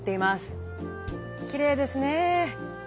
きれいですね。